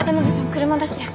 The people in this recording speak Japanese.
車出して。